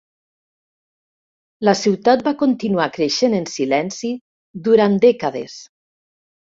La ciutat va continuar creixent en silenci durant dècades.